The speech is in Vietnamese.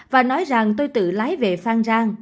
và nói rằng tôi tự lái về phan rang